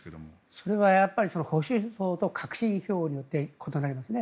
それは保守層と革新層によって異なりますね。